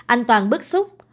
anh toàn bức xúc